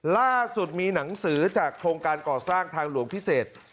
ล่าสุดมีหนังสือจากโครงการก่อสร้างทางหลวงพิเศษ